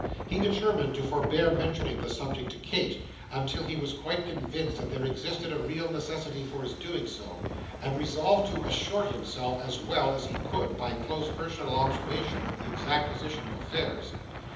He determined to forbear mentioning the subject to Kate until he was quite convinced that there existed a real necessity for his doing so; and resolved to assure himself, as well as he could by close personal observation, of the exact position of affairs.